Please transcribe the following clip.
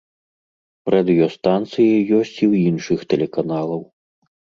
Радыёстанцыі ёсць і ў іншых тэлеканалаў.